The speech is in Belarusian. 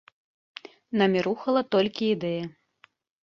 Намі рухала толькі ідэя.